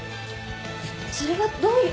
それはどういう？